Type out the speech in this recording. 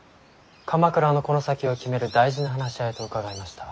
鎌倉のこの先を決める大事な話し合いと伺いました。